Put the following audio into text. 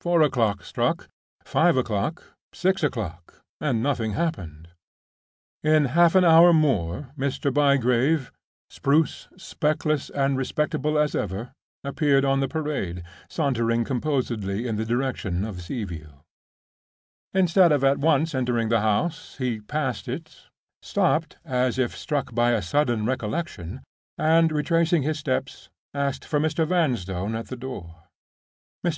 Four o'clock struck, five o'clock, six o'clock, and nothing happened. In half an hour more, Mr. Bygrave—spruce, speckless, and respectable as ever—appeared on the Parade, sauntering composedly in the direction of Sea View. Instead of at once entering the house, he passed it; stopped, as if struck by a sudden recollection; and, retracing his steps, asked for Mr. Vanstone at the door. Mr.